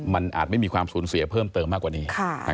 มันอาจไม่มีความสูญเสียเพิ่มเติมมากกว่านี้